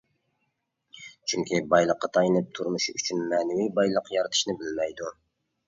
چۈنكى بايلىققا تايىنىپ، تۇرمۇشى ئۈچۈن مەنىۋى بايلىق يارىتىشنى بىلمەيدۇ.